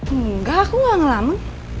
enggak aku gak ngelamun